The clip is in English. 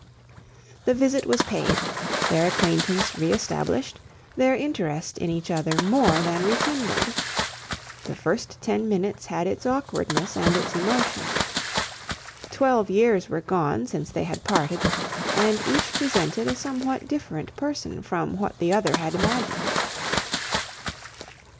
The visit was paid, their acquaintance re established, their interest in each other more than re kindled. The first ten minutes had its awkwardness and its emotion. Twelve years were gone since they had parted, and each presented a somewhat different person from what the other had imagined.